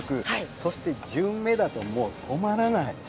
そして、順目だともう止まらない。